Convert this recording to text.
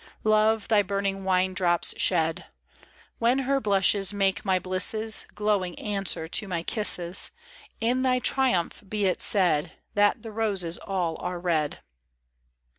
Love, thy burning wine drops shed I When her blushes make my blisses. Glowing answer to my kisses, In thy triumph be it said That the roses are all red.